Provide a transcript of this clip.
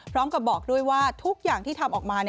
พร้อมกับบอกด้วยว่าทุกอย่างที่ทำออกมา